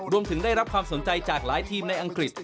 ได้รับความสนใจจากหลายทีมในอังกฤษ